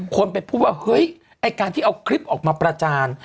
คนไปพูดว่าเฮ้ยไอ้การที่เอาคลิปออกมาประจาน